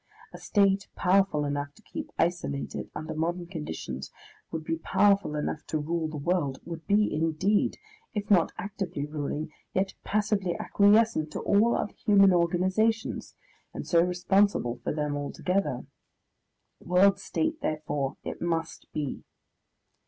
A state powerful enough to keep isolated under modern conditions would be powerful enough to rule the world, would be, indeed, if not actively ruling, yet passively acquiescent in all other human organisations, and so responsible for them altogether. World state, therefore, it must be.